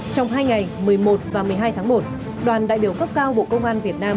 trong hai ngày một mươi một và một mươi hai tháng một đoàn đại biểu cấp cao bộ công an việt nam